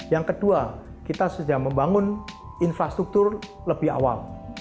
yang kedua kita sudah membangun infrastruktur lebih awal